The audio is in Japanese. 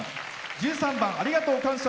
１３番「ありがとう感謝」